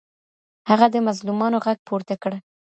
هغه د مظلومانو غږ پورته کړ.